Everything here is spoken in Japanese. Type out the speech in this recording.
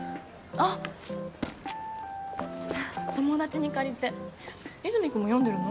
ああ友達に借りて和泉君も読んでるの？